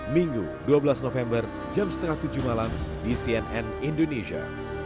minggu dua belas november jam setengah tujuh malam di cnn indonesia